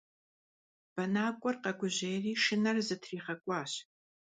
Бэнакӏуэр къэгужьейри шынэр зытригъэкӏуащ.